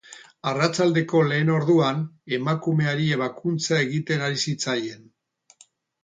Arratsaldeko lehen orduan, emakumeari ebakuntza egiten ari zitzaien.